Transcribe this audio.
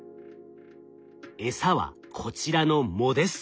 餌はこちらの藻です。